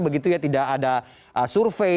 begitu ya tidak ada survei